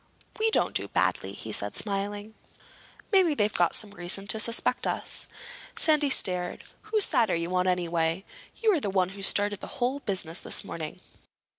"We don't do badly," he said, smiling. "Maybe they've got some reason to suspect us." Sandy stared. "Whose side are you on, anyway? You were the one who started the whole business this morning."